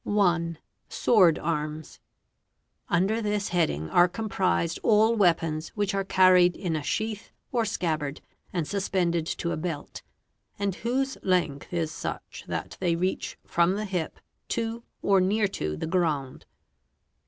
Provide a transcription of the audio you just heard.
1. Sword arms. Under this heading are comprised all weapons which are carried in 'sk eath or scabbard and suspended to a belt, and whose length is such iat they reach from the hip to or near to the ground.